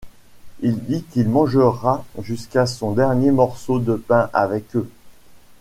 Il dit qu'il mangera jusqu'à son dernier morceau de pain avec eux.